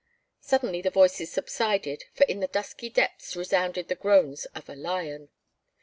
Suddenly the voices subsided for in the dusky depths resounded the groans of a lion.